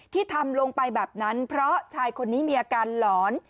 ที่ทำลงไปแบบนั้นเพราะชายคนนี้มีอาการหลอน